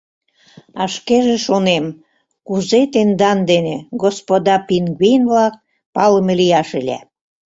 А шкеже шонем: кузе тендан дене, господа пингвин-влак, палыме лияш ыле?